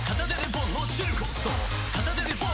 片手でポン！